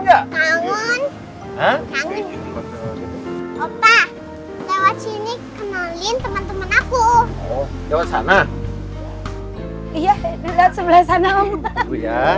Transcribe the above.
kangen kangen opa lewat sini kenalin teman teman aku lewat sana iya sebelah sana om